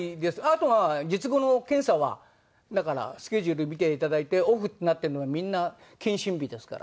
あとは術後の検査はだからスケジュール見ていただいてオフってなってるのはみんな検診日ですから。